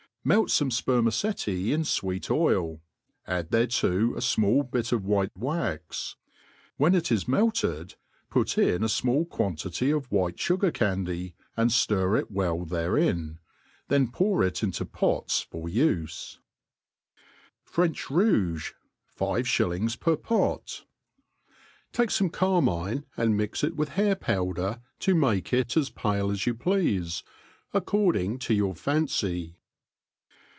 MELT fome fpermaceti in fweet oil, add thereto a fmall bit of white wax ; wlien it is melted j:>ut in a fmall quantity of white fugarcandy, and ftir it well therein; then pour itf into pOts for ufe, French Jtotige. — Five Shillings per Pot. TAKE fame carmine, and mix it with haiir povvder to .make it as pale as you pleafe, according to your fancy.